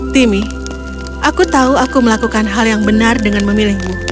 timmy aku tahu aku melakukan hal yang benar dengan memilihmu